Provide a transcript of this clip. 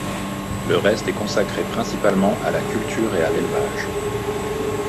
Le reste est consacré principalement à la culture et à l'élevage.